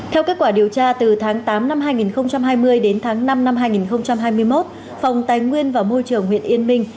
theo kết quả điều tra từ tháng tám năm hai nghìn hai mươi đến tháng năm năm hai nghìn hai mươi một phòng tài nguyên và môi trường huyện yên minh